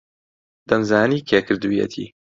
دەمزانی کێ کردوویەتی.